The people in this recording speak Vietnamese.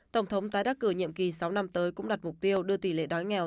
tổng thống tái đắc cử nhiệm kỳ sáu năm tới cũng đặt mục tiêu đưa tỷ lệ đói nghèo